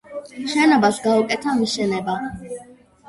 შენობას გაუკეთა მიშენება.